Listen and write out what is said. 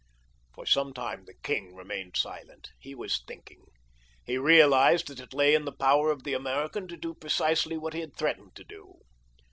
For some time the king remained silent. He was thinking. He realized that it lay in the power of the American to do precisely what he had threatened to do.